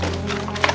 bicara sama lelaki